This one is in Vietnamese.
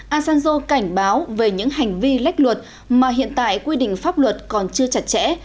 asanjo cảnh báo về những hành vi lách luật mà hiện tại quy định pháp luật còn chưa chặt chẽ